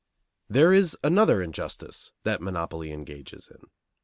There is another injustice that monopoly engages in.